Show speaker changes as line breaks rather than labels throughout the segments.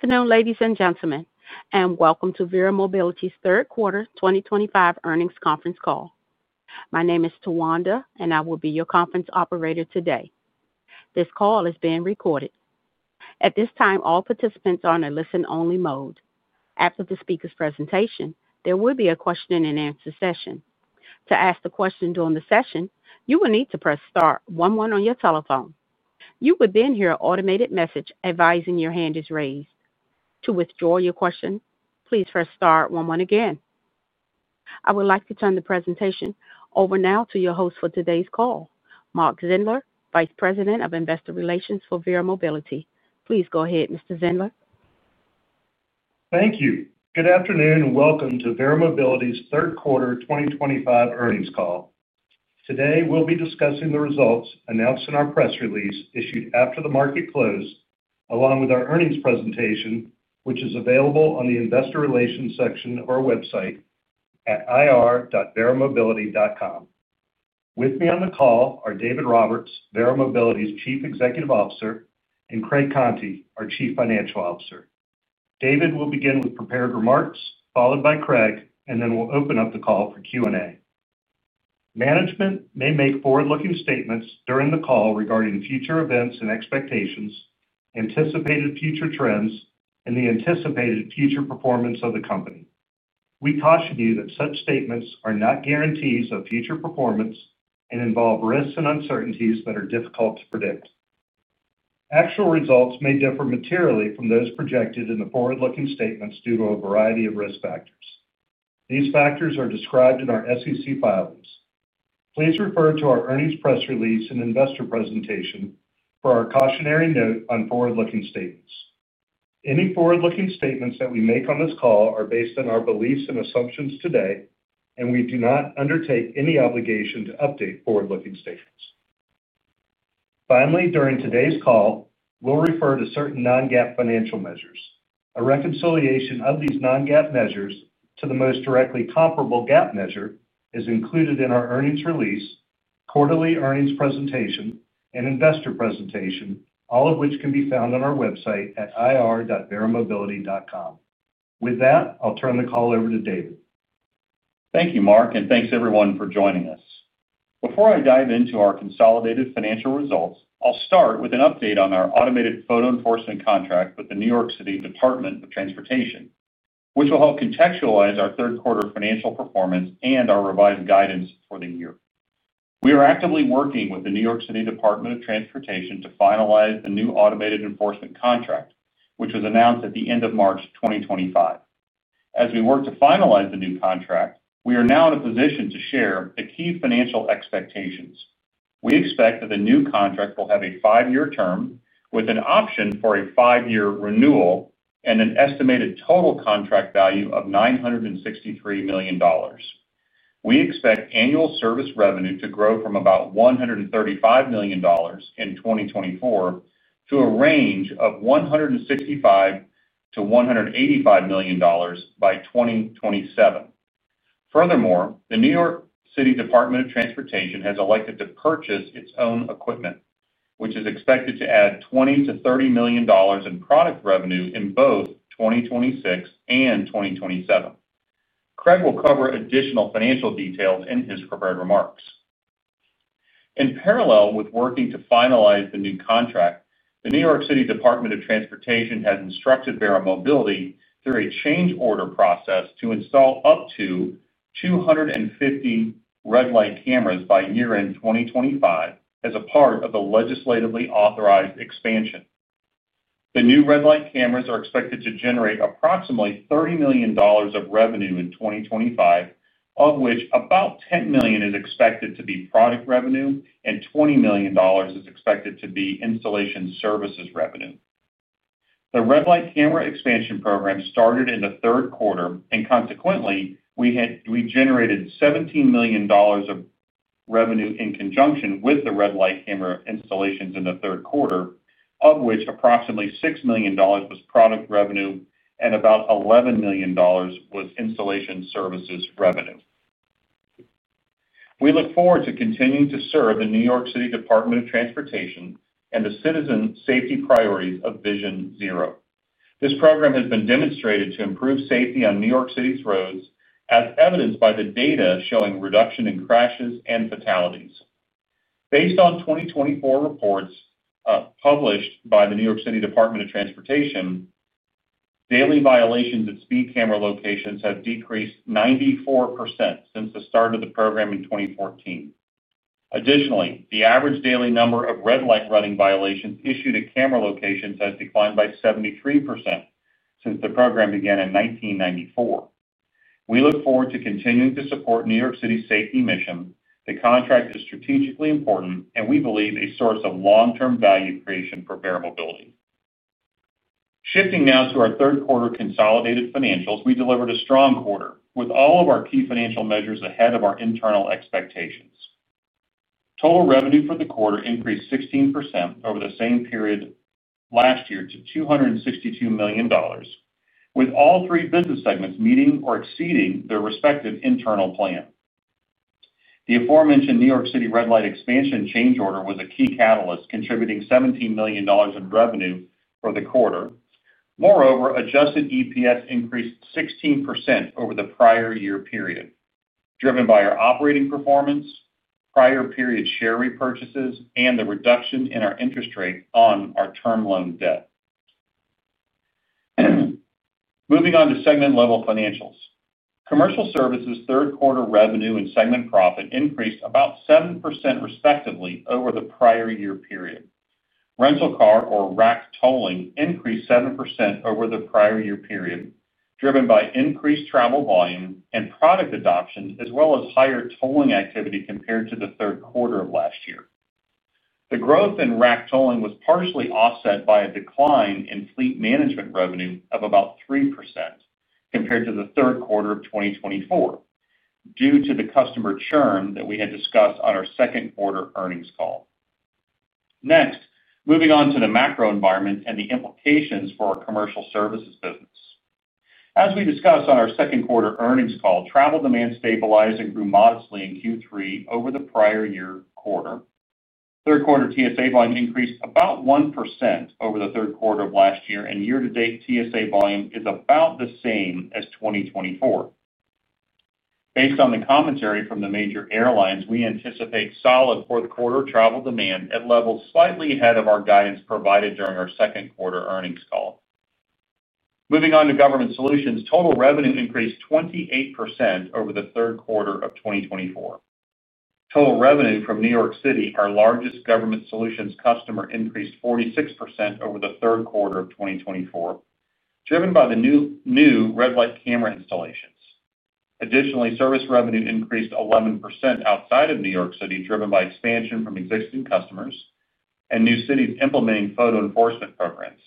Good afternoon, ladies and gentlemen, and welcome to Verra Mobility's third quarter 2025 earnings conference call. My name is Tawanda, and I will be your conference operator today. This call is being recorded. At this time, all participants are in a listen-only mode. After the speaker's presentation, there will be a question-and-answer session. To ask a question during the session, you will need to press star one one on your telephone. You will then hear an automated message advising your hand is raised. To withdraw your question, please press star one one again. I would like to turn the presentation over now to your host for today's call, Mark Zindler, Vice President of Investor Relations for Verra Mobility. Please go ahead, Mr. Zindler.
Thank you. Good afternoon and welcome to Verra Mobility's third quarter 2025 earnings call. Today, we'll be discussing the results announced in our press release issued after the market close, along with our earnings presentation, which is available on the Investor Relations section of our website at ir.verramobility.com. With me on the call are David Roberts, Verra Mobility's Chief Executive Officer, and Craig Conti, our Chief Financial Officer. David will begin with prepared remarks, followed by Craig, and then we'll open up the call for Q&A. Management may make forward-looking statements during the call regarding future events and expectations, anticipated future trends, and the anticipated future performance of the company. We caution you that such statements are not guarantees of future performance and involve risks and uncertainties that are difficult to predict. Actual results may differ materially from those projected in the forward-looking statements due to a variety of risk factors. These factors are described in our SEC filings. Please refer to our earnings press release and investor presentation for our cautionary note on forward-looking statements. Any forward-looking statements that we make on this call are based on our beliefs and assumptions today, and we do not undertake any obligation to update forward-looking statements. Finally, during today's call, we'll refer to certain non-GAAP financial measures. A reconciliation of these non-GAAP measures to the most directly comparable GAAP measure is included in our earnings release, quarterly earnings presentation, and investor presentation, all of which can be found on our website at ir.verramobility.com. With that, I'll turn the call over to David.
Thank you, Mark, and thanks everyone for joining us. Before I dive into our consolidated financial results, I'll start with an update on our automated photo enforcement contract with the New York City Department of Transportation, which will help contextualize our third quarter financial performance and our revised guidance for the year. We are actively working with the New York City Department of Transportation to finalize the new automated enforcement contract, which was announced at the end of March 2025. As we work to finalize the new contract, we are now in a position to share the key financial expectations. We expect that the new contract will have a five-year term with an option for a five-year renewal and an estimated total contract value of $963 million. We expect annual service revenue to grow from about $135 million in 2024 to a range of $165 million-$185 million by 2027. Furthermore, the New York City Department of Transportation has elected to purchase its own equipment, which is expected to add $20 million-$30 million in product revenue in both 2026 and 2027. Craig will cover additional financial details in his prepared remarks. In parallel with working to finalize the new contract, the New York City Department of Transportation has instructed Verra Mobility through a change order process to install up to 250 red light cameras by year-end 2025 as a part of the legislatively authorized expansion. The new red light cameras are expected to generate approximately $30 million of revenue in 2025, of which about $10 million is expected to be product revenue and $20 million is expected to be installation services revenue. The red light camera expansion program started in the third quarter, and consequently, we generated $17 million of revenue in conjunction with the red light camera installations in the third quarter, of which approximately $6 million was product revenue and about $11 million was installation services revenue. We look forward to continuing to serve the New York City Department of Transportation and the citizen safety priorities of Vision Zero. This program has been demonstrated to improve safety on New York City's roads, as evidenced by the data showing reduction in crashes and fatalities. Based on 2024 reports published by the New York City Department of Transportation, daily violations at speed camera locations have decreased 94% since the start of the program in 2014. Additionally, the average daily number of red light running violations issued at camera locations has declined by 73% since the program began in 1994. We look forward to continuing to support New York City's safety mission. The contract is strategically important, and we believe a source of long-term value creation for Verra Mobility. Shifting now to our third quarter consolidated financials, we delivered a strong quarter with all of our key financial measures ahead of our internal expectations. Total revenue for the quarter increased 16% over the same period last year to $262 million, with all three business segments meeting or exceeding their respective internal plan. The aforementioned New York City red light expansion change order was a key catalyst, contributing $17 million in revenue for the quarter. Moreover, adjusted EPS increased 16% over the prior year period, driven by our operating performance, prior period share repurchases, and the reduction in our interest rate on our term loan debt. Moving on to segment-level financials, commercial services' third quarter revenue and segment profit increased about 7% respectively over the prior year period. Rental car or rack tolling increased 7% over the prior year period, driven by increased travel volume and product adoption, as well as higher tolling activity compared to the third quarter of last year. The growth in rack tolling was partially offset by a decline in fleet management revenue of about 3% compared to the third quarter of 2024 due to the customer churn that we had discussed on our second quarter earnings call. Next, moving on to the macro environment and the implications for our commercial services business. As we discussed on our second quarter earnings call, travel demand stabilized and grew modestly in Q3 over the prior year quarter. Third quarter TSA volume increased about 1% over the third quarter of last year, and year-to-date TSA volume is about the same as 2024. Based on the commentary from the major airlines, we anticipate solid fourth quarter travel demand at levels slightly ahead of our guidance provided during our second quarter earnings call. Moving on to government solutions, total revenue increased 28% over the third quarter of 2024. Total revenue from New York City, our largest government solutions customer, increased 46% over the third quarter of 2024, driven by the new red light camera installations. Additionally, service revenue increased 11% outside of New York City, driven by expansion from existing customers and new cities implementing photo enforcement programs.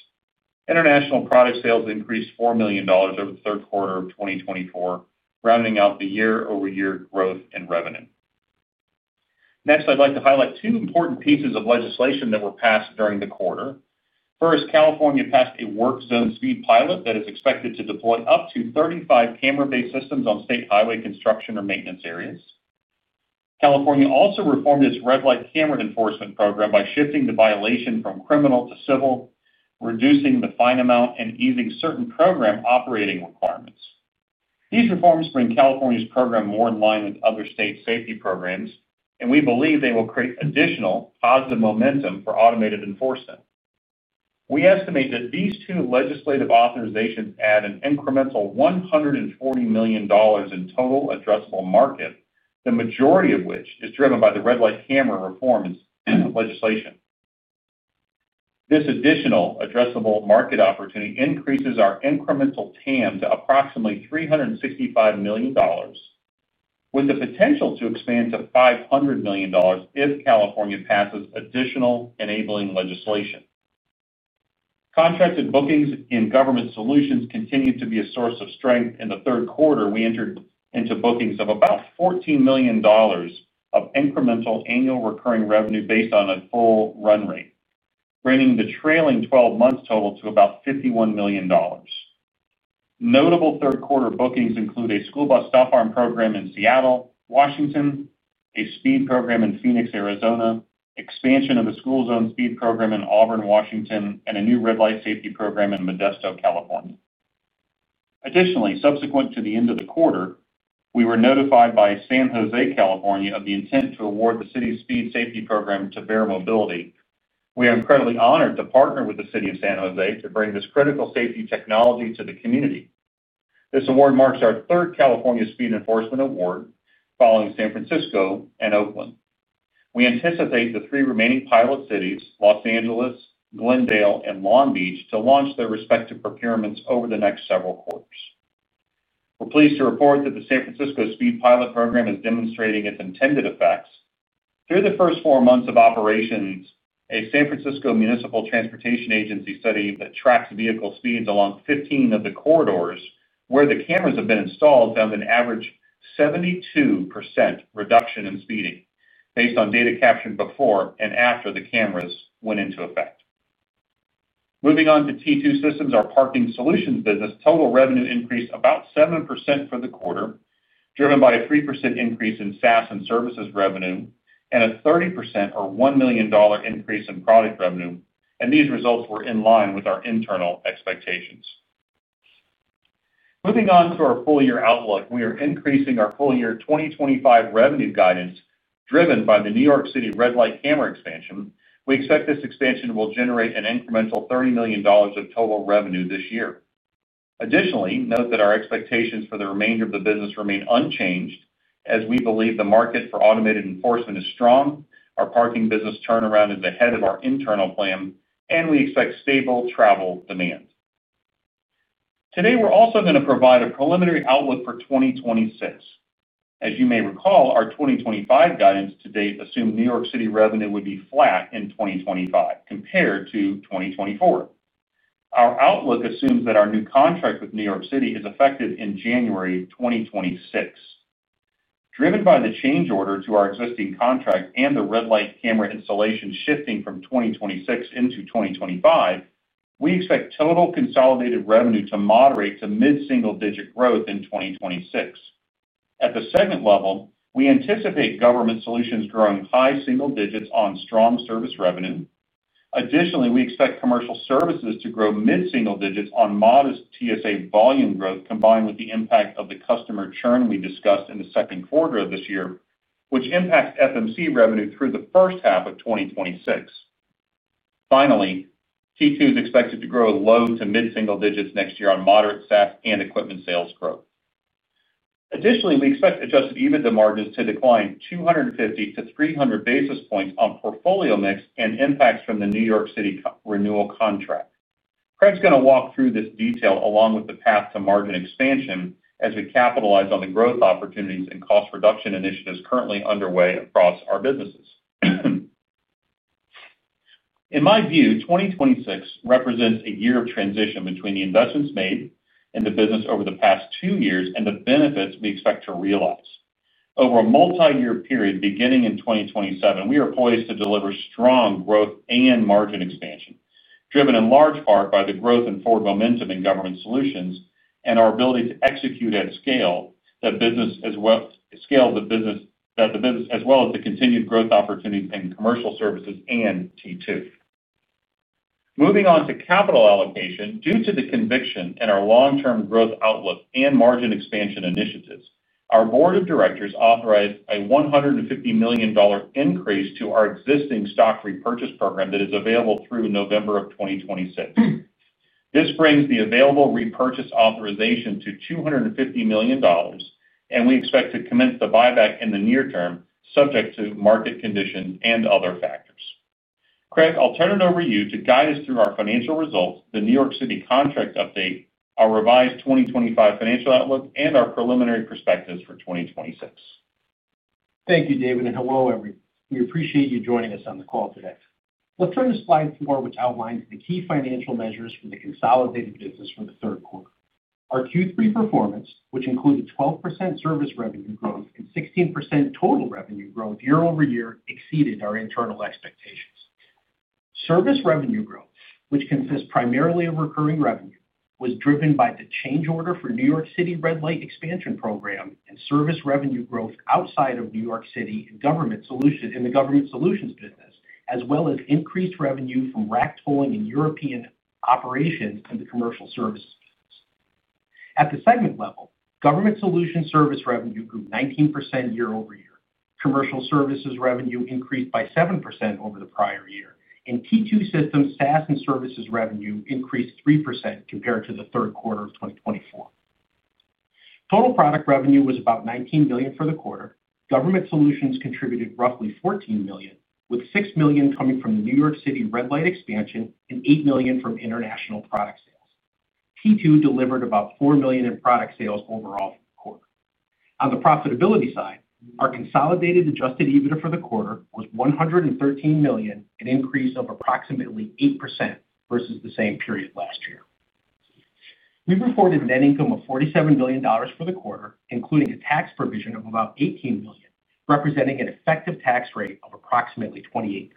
International product sales increased $4 million over the third quarter of 2024, rounding out the year-over-year growth in revenue. Next, I'd like to highlight two important pieces of legislation that were passed during the quarter. First, California passed a work zone speed pilot that is expected to deploy up to 35 camera-based systems on state highway construction or maintenance areas. California also reformed its red light camera enforcement program by shifting the violation from criminal to civil, reducing the fine amount, and easing certain program operating requirements. These reforms bring California's program more in line with other state safety programs, and we believe they will create additional positive momentum for automated enforcement. We estimate that these two legislative authorizations add an incremental $140 million in total addressable market, the majority of which is driven by the red light camera reform legislation. This additional addressable market opportunity increases our incremental TAM to approximately $365 million, with the potential to expand to $500 million if California passes additional enabling legislation. Contracted bookings in government solutions continue to be a source of strength. In the third quarter, we entered into bookings of about $14 million of incremental annual recurring revenue based on a full run rate, bringing the trailing 12 months total to about $51 million. Notable third quarter bookings include a school bus stop arm program in Seattle, Washington, a speed program in Phoenix, Arizona, expansion of the school zone speed program in Auburn, Washington, and a new red light safety program in Modesto, California. Additionally, subsequent to the end of the quarter, we were notified by San Jose, California, of the intent to award the city's speed safety program to Verra Mobility. We are incredibly honored to partner with the city of San Jose to bring this critical safety technology to the community. This award marks our third California speed enforcement award, following San Francisco and Oakland. We anticipate the three remaining pilot cities, Los Angeles, Glendale, and Long Beach, to launch their respective procurements over the next several quarters. We're pleased to report that the San Francisco speed pilot program is demonstrating its intended effects. Through the first four months of operations, a San Francisco Municipal Transportation Agency study that tracks vehicle speeds along 15 of the corridors where the cameras have been installed found an average 72% reduction in speeding based on data captured before and after the cameras went into effect. Moving on to T2 Systems, our parking solutions business, total revenue increased about 7% for the quarter, driven by a 3% increase in SaaS and services revenue and a 30% or $1 million increase in product revenue. These results were in line with our internal expectations. Moving on to our full year outlook, we are increasing our full year 2025 revenue guidance, driven by the New York City red light camera expansion. We expect this expansion will generate an incremental $30 million of total revenue this year. Additionally, note that our expectations for the remainder of the business remain unchanged, as we believe the market for automated enforcement is strong, our parking business turnaround is ahead of our internal plan, and we expect stable travel demand. Today, we're also going to provide a preliminary outlook for 2026. As you may recall, our 2025 guidance to date assumed New York City revenue would be flat in 2025 compared to 2024. Our outlook assumes that our new contract with New York City is effective in January 2026. Driven by the change order to our existing contract and the red light camera installation shifting from 2026 into 2025, we expect total consolidated revenue to moderate to mid-single-digit growth in 2026. At the segment level, we anticipate government solutions growing high single digits on strong service revenue. Additionally, we expect commercial services to grow mid-single digits on modest TSA volume growth, combined with the impact of the customer churn we discussed in the second quarter of this year, which impacts FMC revenue through the first half of 2026. Finally, T2 is expected to grow low to mid-single digits next year on moderate SaaS and equipment sales growth. Additionally, we expect adjusted EBITDA margins to decline 250-300 basis points on portfolio mix and impacts from the New York City renewal contract. Craig's going to walk through this detail along with the path to margin expansion as we capitalize on the growth opportunities and cost reduction initiatives currently underway across our businesses. In my view, 2026 represents a year of transition between the investments made in the business over the past two years and the benefits we expect to realize. Over a multi-year period beginning in 2027, we are poised to deliver strong growth and margin expansion, driven in large part by the growth in forward momentum in government solutions and our ability to execute at scale that business as well as the continued growth opportunities in commercial services and T2. Moving on to capital allocation, due to the conviction in our long-term growth outlook and margin expansion initiatives, our Board of Directors authorized a $150 million increase to our existing stock repurchase program that is available through November of 2026. This brings the available repurchase authorization to $250 million, and we expect to commence the buyback in the near term, subject to market conditions and other factors. Craig, I'll turn it over to you to guide us through our financial results, the New York City Department of Transportation contract update, our revised 2025 financial outlook, and our preliminary perspectives for 2026.
Thank you, David, and hello everyone. We appreciate you joining us on the call today. Let's turn to slide four, which outlines the key financial measures for the consolidated business for the third quarter. Our Q3 performance, which included 12% service revenue growth and 16% total revenue growth year over year, exceeded our internal expectations. Service revenue growth, which consists primarily of recurring revenue, was driven by the change order for New York City red light expansion program and service revenue growth outside of New York City in the government solutions business, as well as increased revenue from rack tolling and European operations in the commercial services business. At the segment level, government solutions service revenue grew 19% year-over-year. Commercial services revenue increased by 7% over the prior year, and T2 Systems SaaS and services revenue increased 3% compared to the third quarter of 2024. Total product revenue was about $19 million for the quarter. Government solutions contributed roughly $14 million, with $6 million coming from the New York City red light expansion and $8 million from international product sales. T2 delivered about $4 million in product sales overall for the quarter. On the profitability side, our consolidated adjusted EBITDA for the quarter was $113 million, an increase of approximately 8% versus the same period last year. We reported net income of $47 million for the quarter, including a tax provision of about $18 million, representing an effective tax rate of approximately 28%.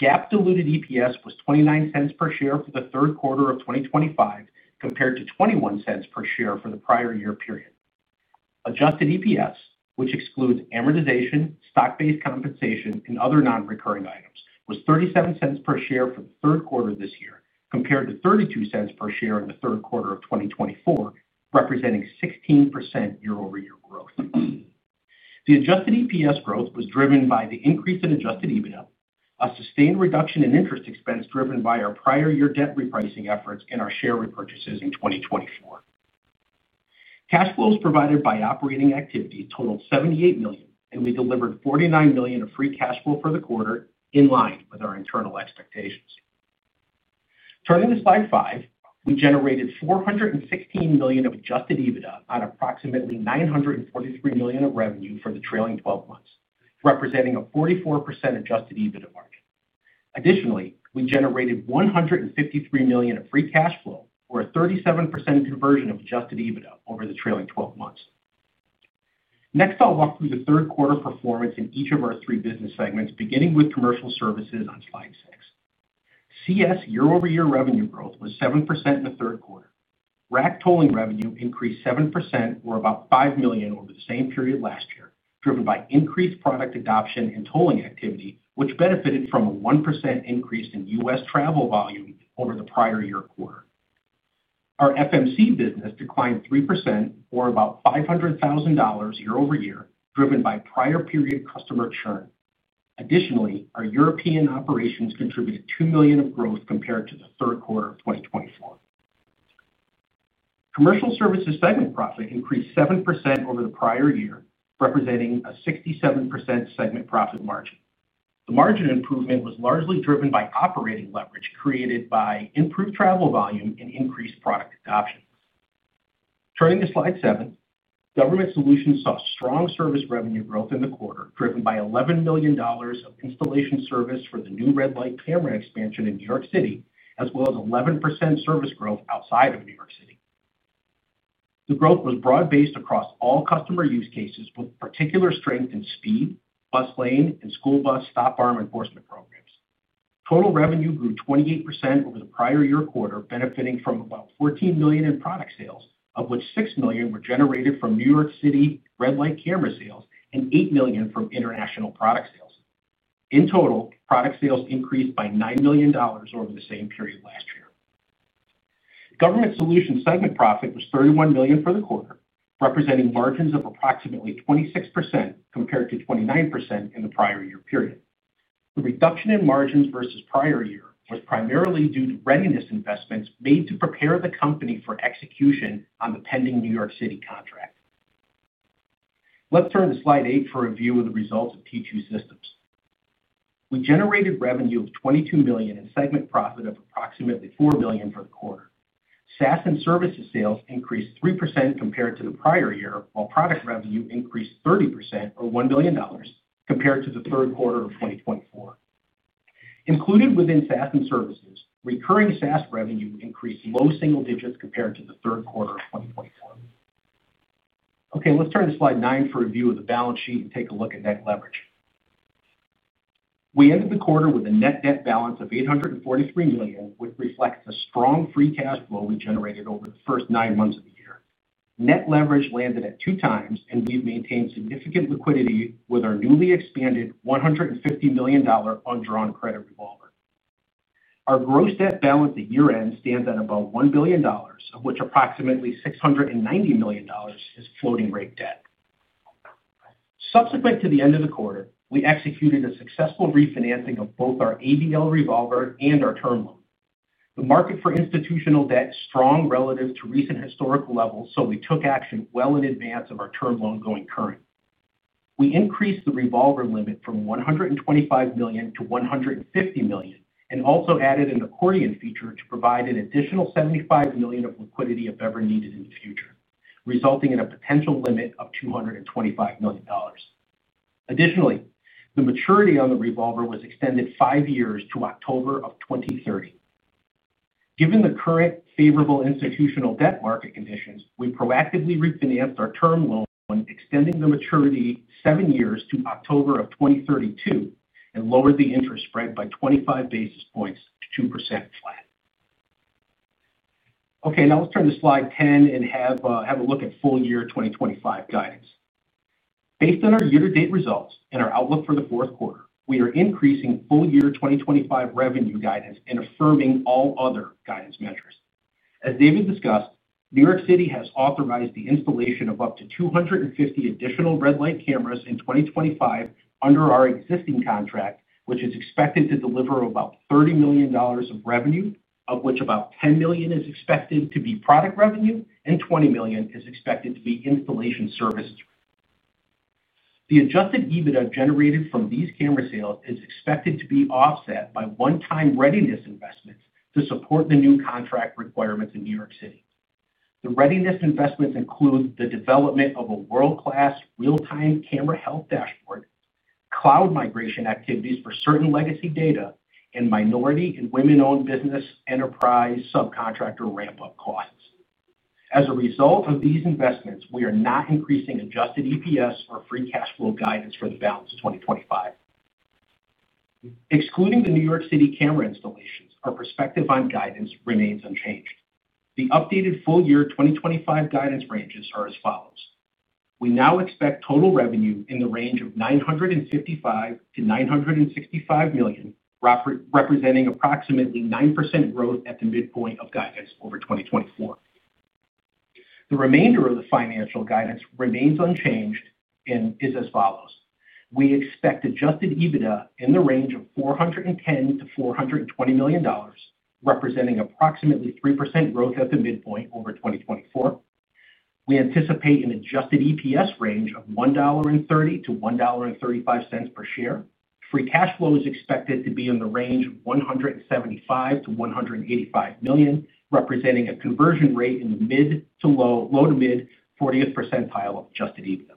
GAAP-diluted EPS was $0.29 per share for the third quarter of 2025, compared to $0.21 per share for the prior year period. Adjusted EPS, which excludes amortization, stock-based compensation, and other non-recurring items, was $0.37 per share for the third quarter this year, compared to $0.32 per share in the third quarter of 2024, representing 16% year over year growth. The adjusted EPS growth was driven by the increase in adjusted EBITDA, a sustained reduction in interest expense driven by our prior year debt repricing efforts and our share repurchases in 2024. Cash flows provided by operating activity totaled $78 million, and we delivered $49 million of free cash flow for the quarter, in line with our internal expectations. Turning to slide five, we generated $416 million of adjusted EBITDA on approximately $943 million of revenue for the trailing 12 months, representing a 44% adjusted EBITDA margin. Additionally, we generated $153 million of free cash flow, or a 37% conversion of adjusted EBITDA over the trailing 12 months. Next, I'll walk through the third quarter performance in each of our three business segments, beginning with commercial services on slide six. CS year-over-year revenue growth was 7% in the third quarter. Rack tolling revenue increased 7%, or about $5 million over the same period last year, driven by increased product adoption and tolling activity, which benefited from a 1% increase in U.S. travel volume over the prior year quarter. Our FMC business declined 3%, or about $500,000 year over year, driven by prior period customer churn. Additionally, our European operations contributed $2 million of growth compared to the third quarter of 2024. Commercial services segment profit increased 7% over the prior year, representing a 67% segment profit margin. The margin improvement was largely driven by operating leverage created by improved travel volume and increased product adoption. Turning to slide seven, government solutions saw strong service revenue growth in the quarter, driven by $11 million of installation service for the new red light camera expansion in New York City, as well as 11% service growth outside of New York City. The growth was broad-based across all customer use cases, with particular strength in speed, bus lane, and school bus stop arm enforcement programs. Total revenue grew 28% over the prior year quarter, benefiting from about $14 million in product sales, of which $6 million were generated from New York City red light camera sales and $8 million from international product sales. In total, product sales increased by $9 million over the same period last year. Government solutions segment profit was $31 million for the quarter, representing margins of approximately 26% compared to 29% in the prior year period. The reduction in margins versus prior year was primarily due to readiness investments made to prepare the company for execution on the pending New York City contract. Let's turn to slide eight for a view of the results of T2 Systems. We generated revenue of $22 million and segment profit of approximately $4 million for the quarter. SaaS and services sales increased 3% compared to the prior year, while product revenue increased 30%, or $1 million, compared to the third quarter of 2024. Included within SaaS and services, recurring SaaS revenue increased low single digits compared to the third quarter of 2024. Okay, let's turn to slide nine for a view of the balance sheet and take a look at net leverage. We ended the quarter with a net debt balance of $843 million, which reflects a strong free cash flow we generated over the first nine months of the year. Net leverage landed at 2x, and we've maintained significant liquidity with our newly expanded $150 million undrawn credit revolver. Our gross debt balance at year-end stands at about $1 billion, of which approximately $690 million is floating rate debt. Subsequent to the end of the quarter, we executed a successful refinancing of both our ABL revolver and our term loan. The market for institutional debt is strong relative to recent historical levels, so we took action well in advance of our term loan going current. We increased the revolver limit from $125 million-$150 million and also added an accordion feature to provide an additional $75 million of liquidity if ever needed in the future, resulting in a potential limit of $225 million. Additionally, the maturity on the revolver was extended five years to October of 2030. Given the current favorable institutional debt market conditions, we proactively refinanced our term loan, extending the maturity seven years to October of 2032, and lowered the interest spread by 25 basis points to 2% flat. Okay, now let's turn to slide 10 and have a look at full year 2025 guidance. Based on our year-to-date results and our outlook for the fourth quarter, we are increasing full year 2025 revenue guidance and affirming all other guidance measures. As David discussed, New York City has authorized the installation of up to 250 additional red light cameras in 2025 under our existing contract, which is expected to deliver about $30 million of revenue, of which about $10 million is expected to be product revenue and $20 million is expected to be installation services revenue. The adjusted EBITDA generated from these camera sales is expected to be offset by one-time readiness investments to support the new contract requirements in New York City. The readiness investments include the development of a world-class real-time camera health dashboard, cloud migration activities for certain legacy data, and minority and women-owned business enterprise subcontractor ramp-up costs. As a result of these investments, we are not increasing adjusted EPS or free cash flow guidance for the balance of 2025. Excluding the New York City camera installations, our perspective on guidance remains unchanged. The updated full year 2025 guidance ranges are as follows. We now expect total revenue in the range of $955 million-$965 million, representing approximately 9% growth at the midpoint of guidance over 2024. The remainder of the financial guidance remains unchanged and is as follows. We expect adjusted EBITDA in the range of $410 million-$420 million, representing approximately 3% growth at the midpoint over 2024. We anticipate an adjusted EPS range of $1.30-$1.35 per share. Free cash flow is expected to be in the range of $175 million-$185 million, representing a conversion rate in the low to mid 40% of adjusted EBITDA.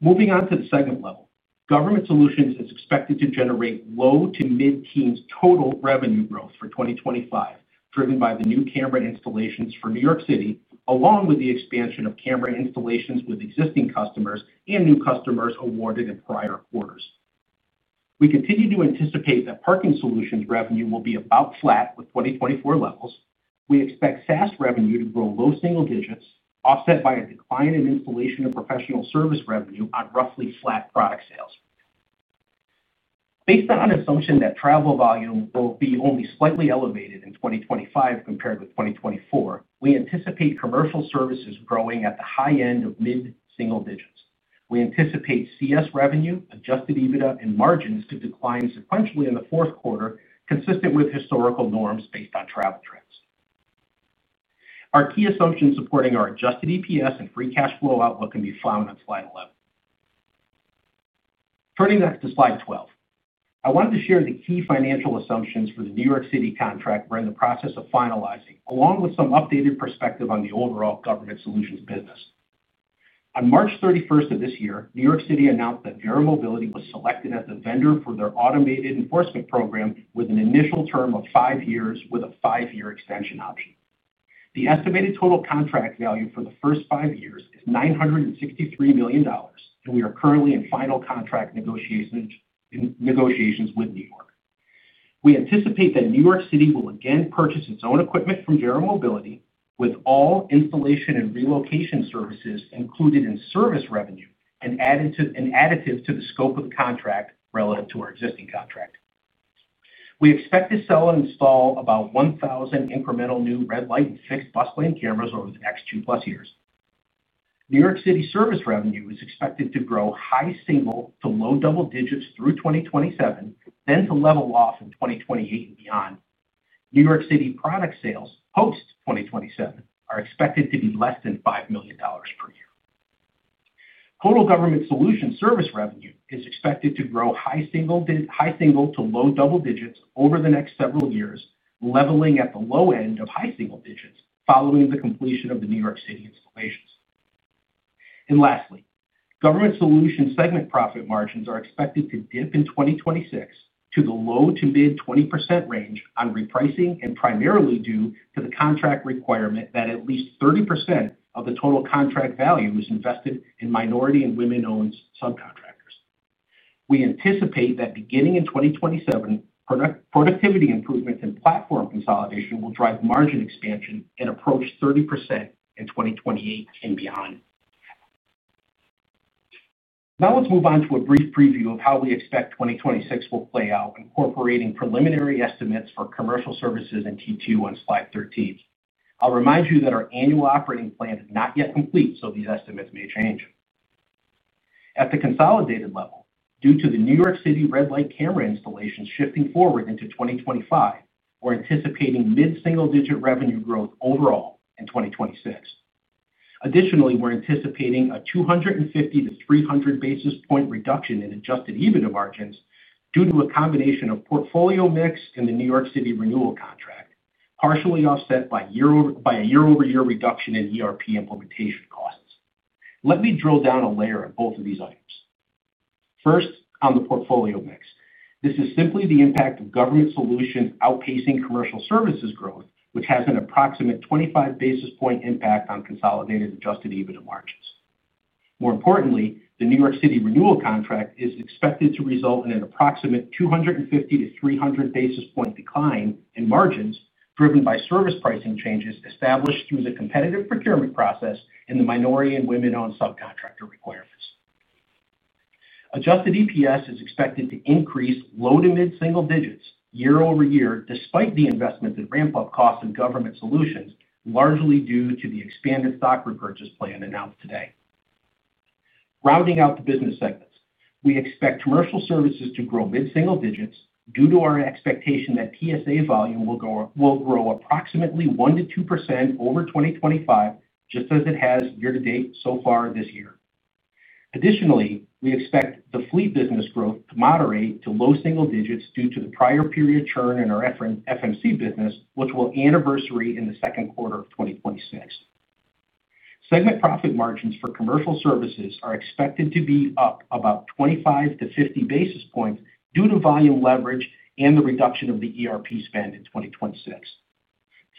Moving on to the segment level, government solutions is expected to generate low to mid-teens total revenue growth for 2025, driven by the new camera installations for New York City, along with the expansion of camera installations with existing customers and new customers awarded in prior quarters. We continue to anticipate that parking solutions revenue will be about flat with 2024 levels. We expect SaaS revenue to grow low single digits, offset by a decline in installation of professional service revenue on roughly flat product sales. Based on an assumption that travel volume will be only slightly elevated in 2025 compared with 2024, we anticipate commercial services growing at the high end of mid-single digits. We anticipate CS revenue, adjusted EBITDA, and margins to decline sequentially in the fourth quarter, consistent with historical norms based on travel trends. Our key assumptions supporting our adjusted EPS and free cash flow outlook can be found on slide 11. Turning next to slide 12, I wanted to share the key financial assumptions for the New York City contract we're in the process of finalizing, along with some updated perspective on the overall government solutions business. On March 31, 2024, New York City announced that Verra Mobility was selected as the vendor for their automated enforcement program with an initial term of five years with a five-year extension option. The estimated total contract value for the first five years is $963 million, and we are currently in final contract negotiations with New York. We anticipate that New York City will again purchase its own equipment from Verra Mobility, with all installation and relocation services included in service revenue and additive to the scope of the contract relative to our existing contract. We expect to sell and install about 1,000 incremental new red light and fixed bus lane cameras over the next 2+ years. New York City service revenue is expected to grow high single to low double digits through 2027, then to level off in 2028 and beyond. New York City product sales post-2027 are expected to be less than $5 million per year. Total government solutions service revenue is expected to grow high single to low double digits over the next several years, leveling at the low end of high single digits following the completion of the New York City installations. Lastly, government solutions segment profit margins are expected to dip in 2026 to the low to mid 20% range on repricing and primarily due to the contract requirement that at least 30% of the total contract value is invested in minority and women-owned business subcontractor requirements. We anticipate that beginning in 2027, productivity improvements and platform consolidation will drive margin expansion and approach 30% in 2028 and beyond. Now let's move on to a brief preview of how we expect 2026 will play out, incorporating preliminary estimates for commercial services and T2 on slide 13. I'll remind you that our annual operating plan is not yet complete, so these estimates may change. At the consolidated level, due to the New York City red light camera installations shifting forward into 2025, we're anticipating mid-single digit revenue growth overall in 2026. Additionally, we're anticipating a 250-300 basis point reduction in adjusted EBITDA margins due to a combination of portfolio mix and the New York City renewal contract, partially offset by a year-over-year reduction in ERP implementation costs. Let me drill down a layer on both of these items. First, on the portfolio mix, this is simply the impact of government solutions outpacing commercial services growth, which has an approximate 25 basis point impact on consolidated adjusted EBITDA margins. More importantly, the New York City renewal contract is expected to result in an approximate 250-300 basis point decline in margins, driven by service pricing changes established through the competitive procurement process and the minority and women-owned business subcontractor requirements. Adjusted EPS is expected to increase low to mid-single digits year over year, despite the investment in ramp-up costs and government solutions, largely due to the expanded stock repurchase plan announced today. Rounding out the business segments, we expect commercial services to grow mid-single digits due to our expectation that TSA volume will grow approximately 1%-2% over 2025, just as it has year to date so far this year. Additionally, we expect the fleet business growth to moderate to low single digits due to the prior period churn in our FMC business, which will anniversary in the second quarter of 2026. Segment profit margins for commercial services are expected to be up about 25-50 basis points due to volume leverage and the reduction of the ERP spend in 2026.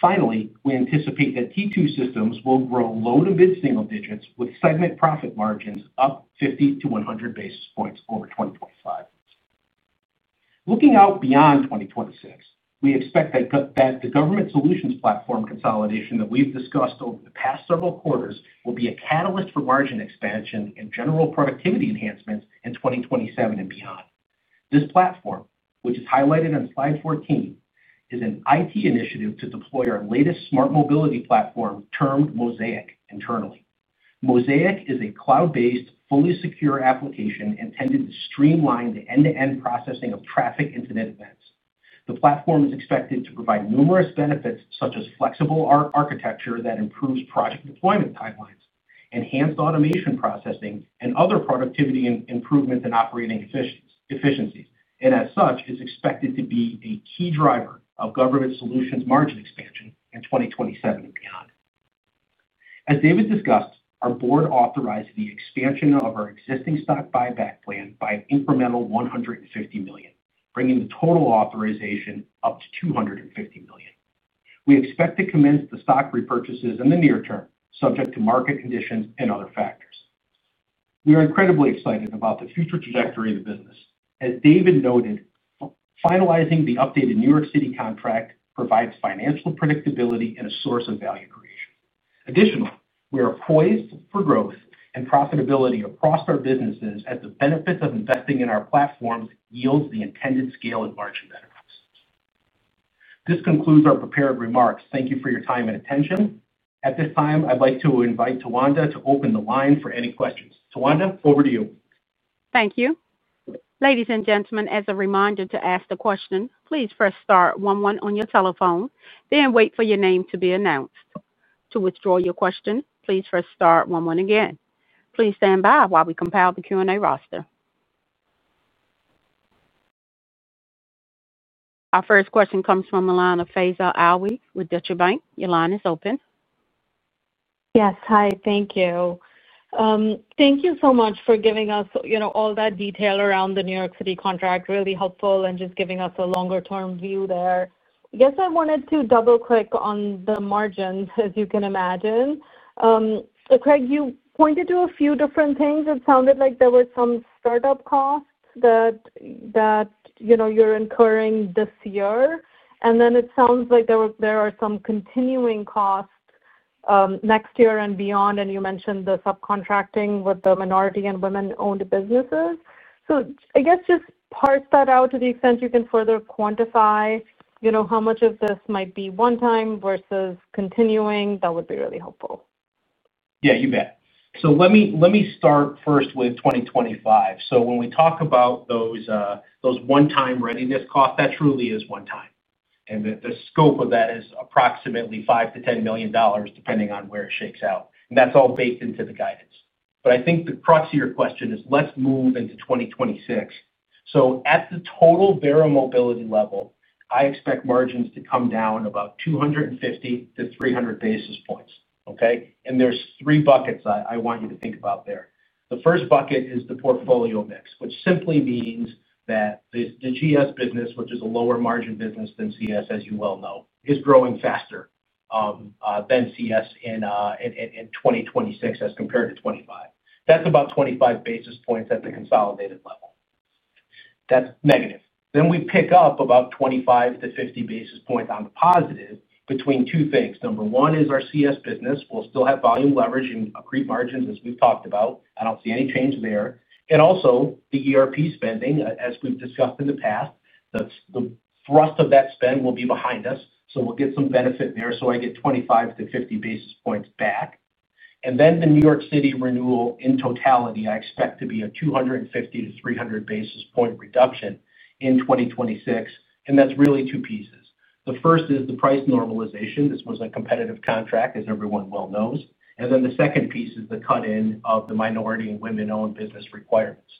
Finally, we anticipate that T2 Systems will grow low to mid-single digits with segment profit margins up 50-100 basis points over 2025. Looking out beyond 2026, we expect that the government solutions platform consolidation that we've discussed over the past several quarters will be a catalyst for margin expansion and general productivity enhancements in 2027 and beyond. This platform, which is highlighted on slide 14, is an IT initiative to deploy our latest smart mobility platform termed Mosaic internally. Mosaic is a cloud-based, fully secure application intended to streamline the end-to-end processing of traffic and internet events. The platform is expected to provide numerous benefits, such as flexible architecture that improves project deployment timelines, enhanced automation processing, and other productivity improvements and operating efficiencies, and as such, is expected to be a key driver of government solutions margin expansion in 2027 and beyond. As David discussed, our board authorized the expansion of our existing stock buyback plan by an incremental $150 million, bringing the total authorization up to $250 million. We expect to commence the stock repurchases in the near term, subject to market conditions and other factors. We are incredibly excited about the future trajectory of the business. As David noted, finalizing the updated New York City contract provides financial predictability and a source of value creation. Additionally, we are poised for growth and profitability across our businesses as the benefit of investing in our platforms yields the intended scale and margin benefits. This concludes our prepared remarks. Thank you for your time and attention. At this time, I'd like to invite Tawanda to open the line for any questions. Tawanda, over to you.
Thank you. Ladies and gentlemen, as a reminder to ask a question, please press star one one on your telephone, then wait for your name to be announced. To withdraw your question, please press star one one again. Please stand by while we compile the Q&A roster. Our first question comes from line of Faiza Alwy with Deutsche Bank. Elana, is open?
Yes, hi, thank you. Thank you so much for giving us, you know, all that detail around the New York City Department of Transportation contract, really helpful, and just giving us a longer-term view there. I guess I wanted to double-click on the margins, as you can imagine. Craig, you pointed to a few different things. It sounded like there were some startup costs that, you know, you're incurring this year. It sounds like there are some continuing costs next year and beyond. You mentioned the subcontracting with the minority and women-owned business subcontractor requirements. I guess just parse that out to the extent you can further quantify, you know, how much of this might be one-time versus continuing. That would be really helpful.
Yeah, you bet. Let me start first with 2025. When we talk about those one-time readiness costs, that truly is one-time. The scope of that is approximately $5 million-$10 million, depending on where it shakes out. That's all baked into the guidance. I think the crux of your question is, let's move into 2026. At the total Verra Mobility level, I expect margins to come down about 250-300 basis points. There are three buckets I want you to think about there. The first bucket is the portfolio mix, which simply means that the government solutions business, which is a lower margin business than CS, as you well know, is growing faster than CS in 2026 as compared to 2025. That's about 25 basis points at the consolidated level. That's negative. We pick up about 25-50 basis points on the positive between two things. Number one is our CS business. We'll still have volume leverage and accrete margins, as we've talked about. I don't see any change there. Also, the ERP spending, as we've discussed in the past, the thrust of that spend will be behind us. We'll get some benefit there. I get 25-50 basis points back. The New York City renewal in totality, I expect to be a 250-300 basis point reduction in 2026. That's really two pieces. The first is the price normalization. This was a competitive contract, as everyone well knows. The second piece is the cut-in of the minority and women-owned business subcontractor requirements.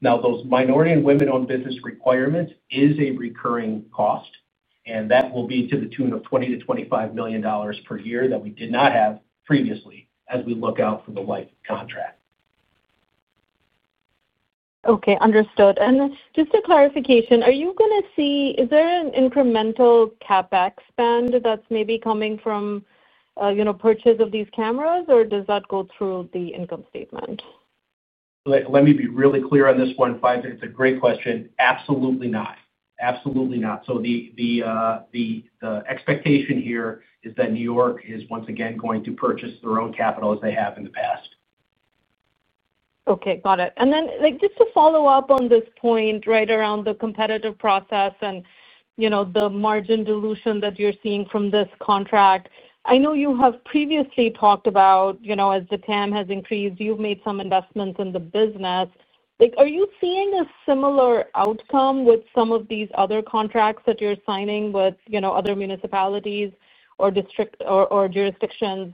Now those minority and women-owned business subcontractor requirements are a recurring cost. That will be to the tune of $20 million-$25 million per year that we did not have previously as we look out for the life of the contract.
Okay, understood. Just a clarification, are you going to see, is there an incremental CapEx spend that's maybe coming from, you know, purchase of these cameras, or does that go through the income statement?
Let me be really clear on this one, Faiza. It's a great question. Absolutely not. Absolutely not. The expectation here is that New York City Department of Transportation is once again going to purchase their own capital as they have in the past.
Okay, got it. Just to follow up on this point right around the competitive process and the margin dilution that you're seeing from this contract, I know you have previously talked about, as the total addressable market has increased, you've made some investments in the business. Are you seeing a similar outcome with some of these other contracts that you're signing with other municipalities or districts or jurisdictions?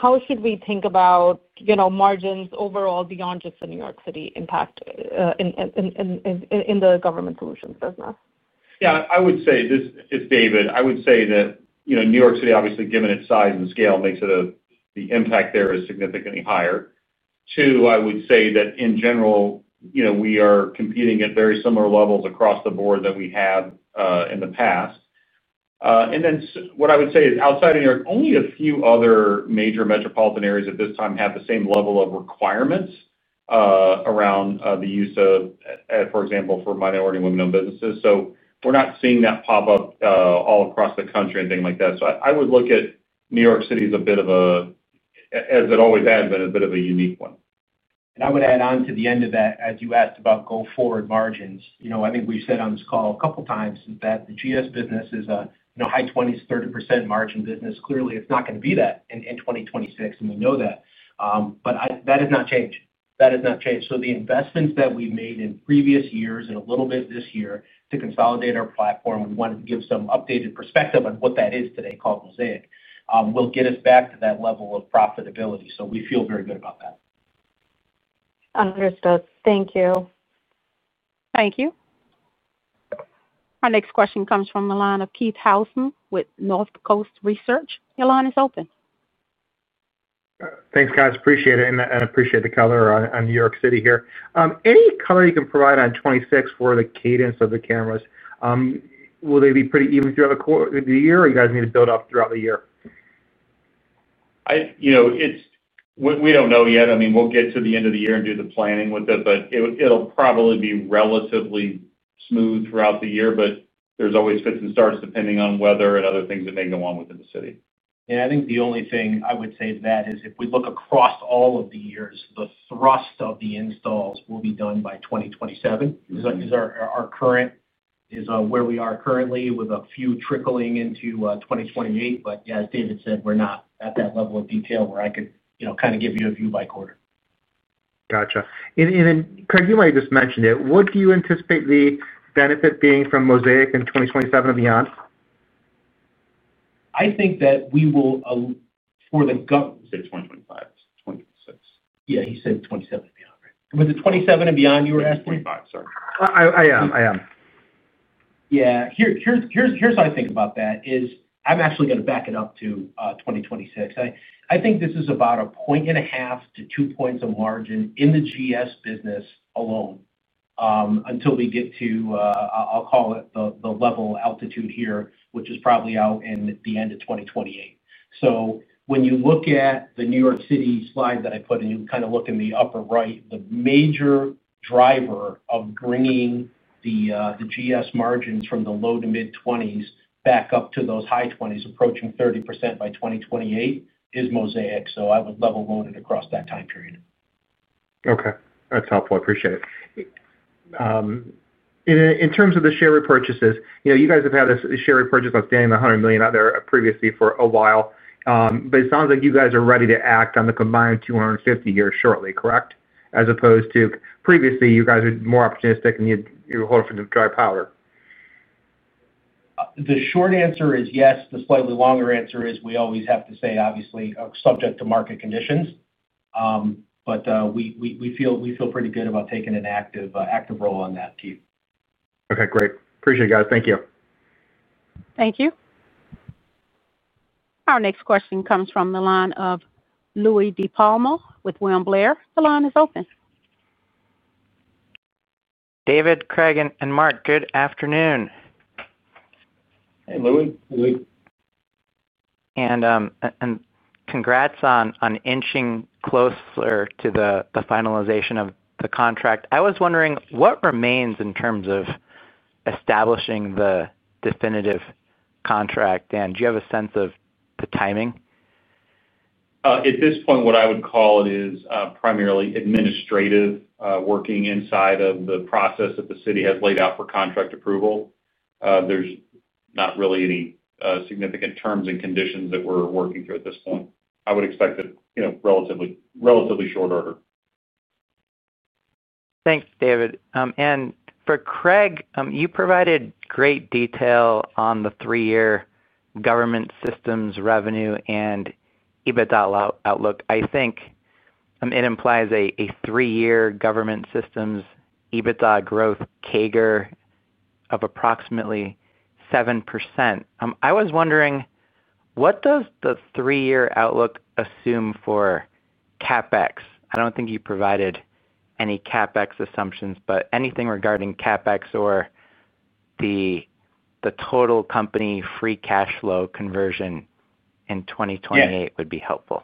How should we think about margins overall beyond just the New York City impact in the government solutions business?
I would say, this is David. I would say that, you know, New York City, obviously, given its size and scale, makes it a, the impact there is significantly higher. I would say that in general, you know, we are competing at very similar levels across the board than we have in the past. What I would say is outside of New York, only a few other major metropolitan areas at this time have the same level of requirements around the use of, for example, for minority and women-owned businesses. We're not seeing that pop up all across the country or anything like that. I would look at New York City as a bit of a, as it always has been, a bit of a unique one.
I would add on to the end of that, as you asked about go-forward margins, I think we've said on this call a couple of times that the government solutions business is a high 20s, 30% margin business. Clearly, it's not going to be that in 2026, and we know that. That has not changed. The investments that we've made in previous years and a little bit this year to consolidate our platform, we wanted to give some updated perspective on what that is today, called Mosaic, will get us back to that level of profitability. We feel very good about that.
Understood. Thank you.
Thank you. Our next question comes from the line of Keith Housum with Northcoast Research. Elana, is open.
Thanks, guys. Appreciate it. I appreciate the color on New York City here. Any color you can provide on 2026 for the cadence of the cameras? Will they be pretty even throughout the year, or do you guys need to build up throughout the year? We don't know yet. We'll get to the end of the year and do the planning with it, but it'll probably be relatively smooth throughout the year. There's always fits and starts depending on weather and other things that may go on within the city.
Yeah, I think the only thing I would say to that is if we look across all of the years, the thrust of the installs will be done by 2027. That is where we are currently, with a few trickling into 2028. As David said, we're not at that level of detail where I could, you know, kind of give you a view by quarter.
Gotcha. Craig, you might just mention it. What do you anticipate the benefit being from Mosaic in 2027 and beyond? minority and women-owned business subcontractor requirements closely to ensure compliance and competitiveness in future bids. He said 2025, 2026. Yeah, he said '27 and beyond, right? Was it '27 and beyond you were asking? '25, sorry.
Yeah, here's how I think about that. I'm actually going to back it up to 2026. I think this is about a 1.5-2 points of margin in the government solutions business alone until we get to, I'll call it the level altitude here, which is probably out in the end of 2028. When you look at the New York City slide that I put in, you kind of look in the upper right, the major driver of bringing the government solutions margins from the low to mid 20s back up to those high 20s approaching 30% by 2028 is Mosaic. I would level load it across that time period.
Okay, that's helpful. I appreciate it. In terms of the share repurchases, you know, you guys have had a share repurchase that's getting the $100 million out there previously for a while. It sounds like you guys are ready to act on the combined $250 million here shortly, correct? As opposed to previously, you guys were more opportunistic and you're holding for some dry powder.
The short answer is yes. The slightly longer answer is we always have to say, obviously, subject to market conditions. We feel pretty good about taking an active role on that, Keith.
Okay, great. Appreciate it, guys. Thank you.
Thank you. Our next question comes from the line of Louie DiPalma with William Blair. Elana, is open.
David, Craig, and Mark, good afternoon.
Hey, Louie.
Louie.
Congratulations on inching closer to the finalization of the contract. I was wondering what remains in terms of establishing the definitive contract, and do you have a sense of the timing?
At this point, what I would call it is primarily administrative, working inside of the process that the city has laid out for contract approval. There's not really any significant terms and conditions that we're working through at this point. I would expect it in relatively short order.
Thanks, David. For Craig, you provided great detail on the three-year government solutions revenue and adjusted EBITDA outlook. I think it implies a three-year government solutions EBITDA growth CAGR of approximately 7%. I was wondering, what does the three-year outlook assume for CapEx? I don't think you provided any CapEx assumptions, but anything regarding CapEx or the total company free cash flow conversion in 2028 would be helpful.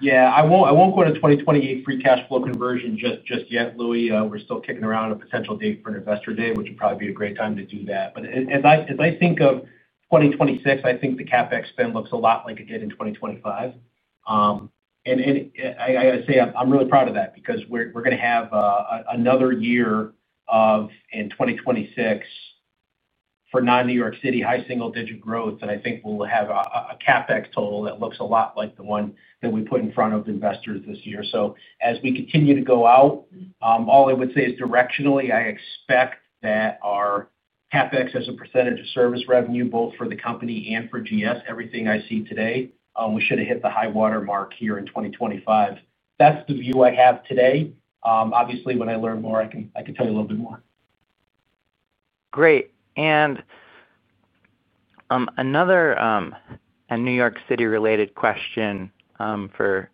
Yeah, I won't go to 2028 free cash flow conversion just yet, Louie. We're still kicking around a potential date for an investor day, which would probably be a great time to do that. As I think of 2026, I think the CapEx spend looks a lot like it did in 2025. I got to say, I'm really proud of that because we're going to have another year in 2026 for non-New York City high single-digit growth that I think will have a CapEx total that looks a lot like the one that we put in front of investors this year. As we continue to go out, all I would say is directionally, I expect that our CapEx as a percentage of service revenue, both for the company and for government solutions, everything I see today, we should have hit the high water mark here in 2025. That's the view I have today. Obviously, when I learn more, I can tell you a little bit more.
Great. Another New York City-related question for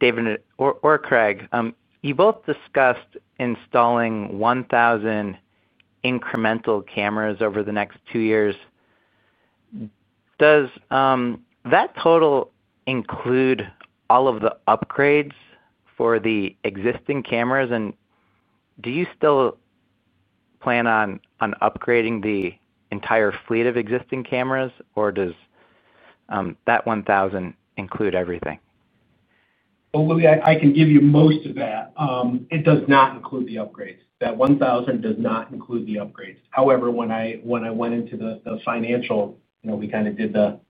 David or Craig. You both discussed installing 1,000 incremental cameras over the next two years. Does that total include all of the upgrades for the existing cameras? Do you still plan on upgrading the entire fleet of existing cameras, or does that 1,000 include everything?
Louis, I can give you most of that. It does not include the upgrades. That 1,000 does not include the upgrades. However, when I went into the financial, you know, we kind of did the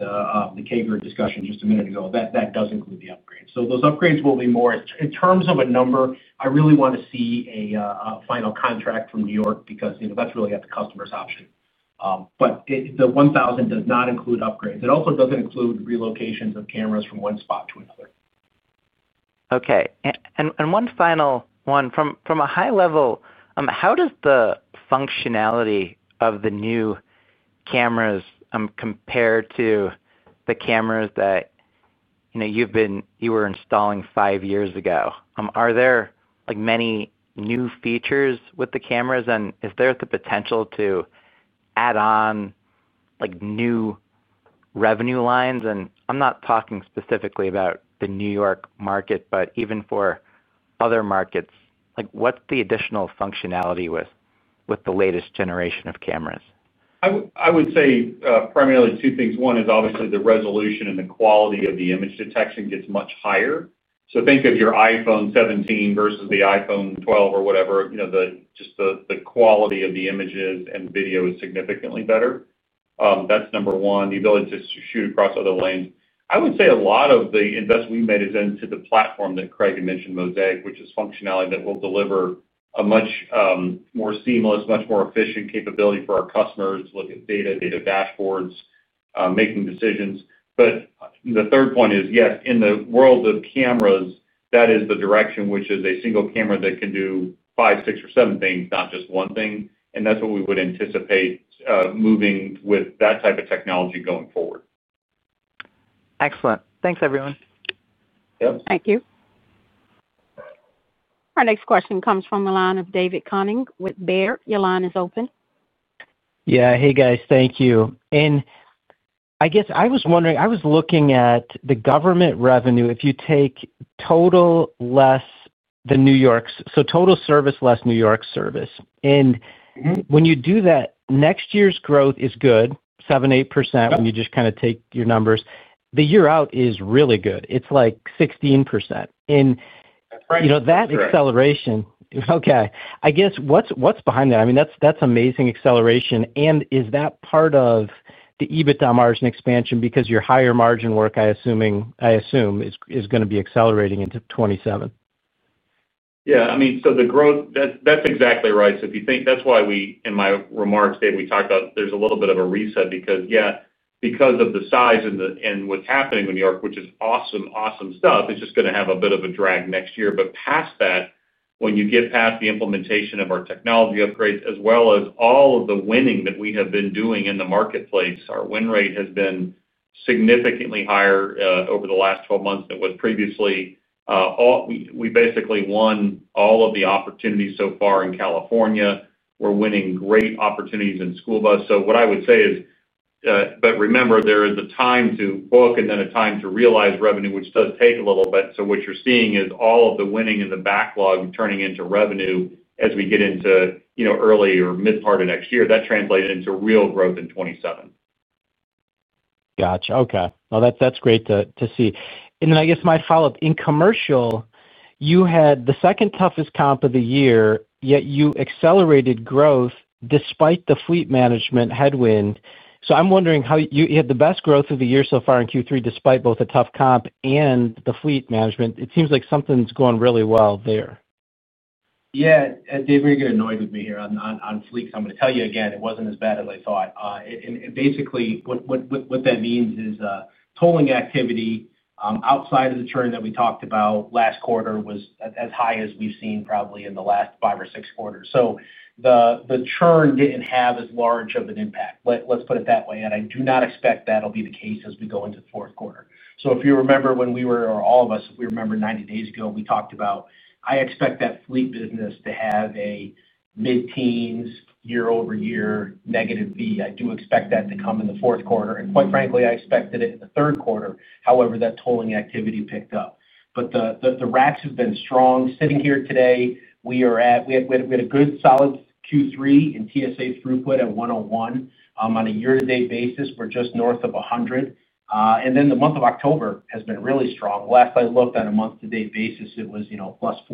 CAGR discussion just a minute ago. That does include the upgrades. Those upgrades will be more. In terms of a number, I really want to see a final contract from New York City because, you know, that's really at the customer's option. The 1,000 does not include upgrades. It also doesn't include relocations of cameras from one spot to another.
Okay. One final one. From a high level, how does the functionality of the new cameras compare to the cameras that you were installing five years ago? Are there many new features with the cameras? Is there the potential to add on new revenue lines? I'm not talking specifically about the New York City market, but even for other markets, what's the additional functionality with the latest generation of cameras?
I would say primarily two things. One is obviously the resolution and the quality of the image detection gets much higher. Think of your iPhone 17 versus the iPhone 12 or whatever, you know, just the quality of the images and video is significantly better. That's number one. The ability to shoot across other lanes. I would say a lot of the investment we made is into the platform that Craig had mentioned, Mosaic, which is functionality that will deliver a much more seamless, much more efficient capability for our customers to look at data, data dashboards, making decisions. The third point is, yes, in the world of cameras, that is the direction, which is a single camera that can do five, six, or seven things, not just one thing. That's what we would anticipate moving with that type of technology going forward.
Excellent. Thanks, everyone.
Yep.
Thank you. Our next question comes from the line of David Koning with Baird. Your line is open.
Yeah, hey guys, thank you. I guess I was wondering, I was looking at the government revenue. If you take total less the New York, so total service less New York service, and when you do that, next year's growth is good, 7%-8% when you just kind of take your numbers. The year out is really good. It's like 16%. You know, that acceleration, okay, I guess what's behind that? I mean, that's amazing acceleration. Is that part of the EBITDA margin expansion because your higher margin work, I assume, is going to be accelerating into 2027?
Yeah, I mean, so the growth, that's exactly right. If you think, that's why we, in my remarks, David, we talked about there's a little bit of a reset because, yeah, because of the size and what's happening in New York, which is awesome, awesome stuff, it's just going to have a bit of a drag next year. Past that, when you get past the implementation of our technology upgrades, as well as all of the winning that we have been doing in the marketplace, our win rate has been significantly higher over the last 12 months than it was previously. We basically won all of the opportunities so far in California. We're winning great opportunities in school bus. What I would say is, remember, there is a time to book and then a time to realize revenue, which does take a little bit. What you're seeing is all of the winning and the backlog turning into revenue as we get into, you know, early or mid part of next year. That translated into real growth in 2027.
Gotcha. Okay, that's great to see. I guess my follow-up, in commercial, you had the second toughest comp of the year, yet you accelerated growth despite the fleet management headwind. I'm wondering how you had the best growth of the year so far in Q3 despite both a tough comp and the fleet management. It seems like something's going really well there.
Yeah, David, you're getting annoyed with me here on fleets. I'm going to tell you again, it wasn't as bad as I thought. Basically, what that means is tolling activity outside of the churn that we talked about last quarter was as high as we've seen probably in the last five or six quarters. The churn didn't have as large of an impact. Let's put it that way. I do not expect that'll be the case as we go into the fourth quarter. If you remember when we were, or all of us, if we remember 90 days ago, we talked about, I expect that fleet business to have a mid-teens year-over-year negative V. I do expect that to come in the fourth quarter. Quite frankly, I expected it in the third quarter. However, that tolling activity picked up. The rates have been strong. Sitting here today, we are at, we had a good solid Q3 and TSA throughput at 101. On a year-to-date basis, we're just north of 100. The month of October has been really strong. Last I looked on a month-to-date basis, it was, you know, +4%.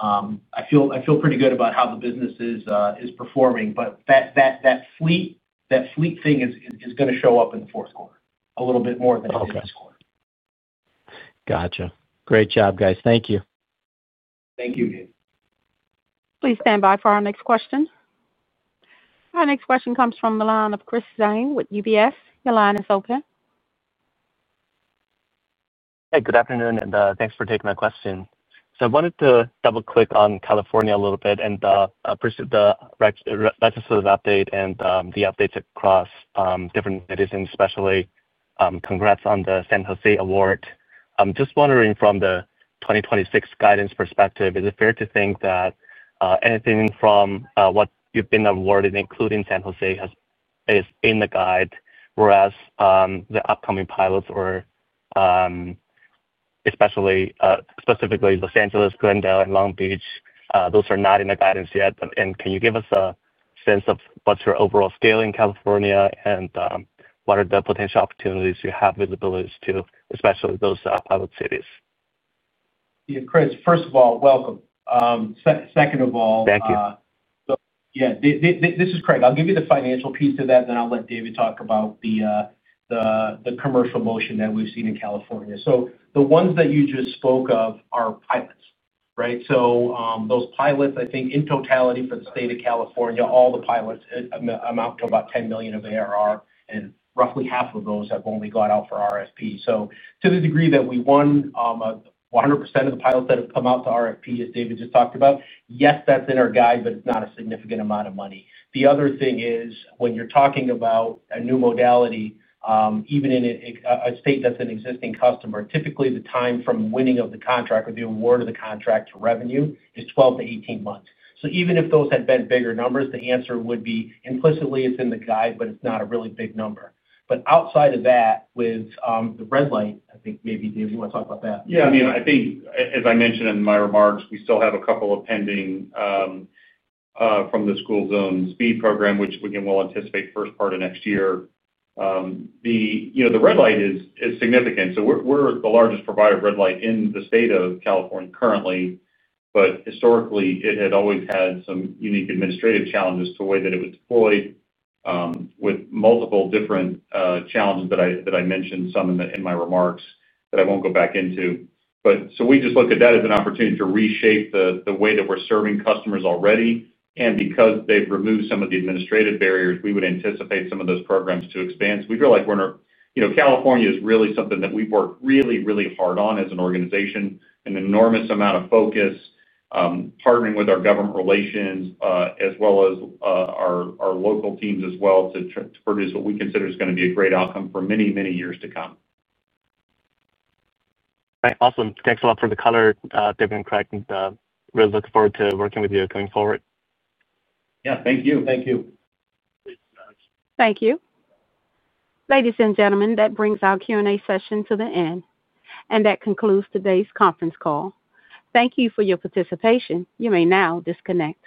I feel pretty good about how the business is performing. That fleet thing is going to show up in the fourth quarter a little bit more than it did this quarter.
Gotcha. Great job, guys. Thank you.
Thank you, David.
Please stand by for our next question. Our next question comes from the line of Chris Zhang with UBS. Elana, is open.
Hey, good afternoon, and thanks for taking my question. I wanted to double-click on California a little bit and appreciate the legislative update and the updates across different cities, especially congrats on the San Jose award. I'm just wondering, from the 2026 guidance perspective, is it fair to think that anything from what you've been awarded, including San Jose, is in the guide, whereas the upcoming pilots, or specifically Los Angeles, Glendale, and Long Beach, those are not in the guidance yet? Can you give us a sense of what's your overall scale in California and what are the potential opportunities you have visibility to, especially those pilot cities? Yeah, Chris, first of all, welcome. Second of all, Thank you. Yeah, this is Craig. I'll give you the financial piece of that, and then I'll let David talk about the commercial motion that we've seen in California. The ones that you just spoke of are pilots, right? Those pilots, I think in totality for the state of California, all the pilots amount to about $10 million of ARR, and roughly half of those have only gone out for RFP. To the degree that we won 100% of the pilots that have come out to RFP, as David just talked about, yes, that's in our guide, but it's not a significant amount of money. The other thing is when you're talking about a new modality, even in a state that's an existing customer, typically the time from winning of the contract or the award of the contract to revenue is 12-18 months. Even if those had been bigger numbers, the answer would be implicitly it's in the guide, but it's not a really big number. Outside of that, with the red light, I think maybe David, you want to talk about that?
Yeah, I mean, I think, as I mentioned in my remarks, we still have a couple of pending from the school zone speed program, which we can well anticipate first part of next year. The red light is significant. We're the largest provider of red light in the state of California currently. Historically, it had always had some unique administrative challenges to the way that it was deployed, with multiple different challenges that I mentioned, some in my remarks that I won't go back into. We just look at that as an opportunity to reshape the way that we're serving customers already. Because they've removed some of the administrative barriers, we would anticipate some of those programs to expand. We feel like we're in, you know, California is really something that we've worked really, really hard on as an organization, an enormous amount of focus, partnering with our government relations, as well as our local teams as well to produce what we consider is going to be a great outcome for many, many years to come.
All right, awesome. Thanks a lot for the color, David and Craig. Really looking forward to working with you going forward.
Yeah, thank you.
Thank you.
Thank you. Ladies and gentlemen, that brings our Q&A session to the end. That concludes today's conference call. Thank you for your participation. You may now disconnect.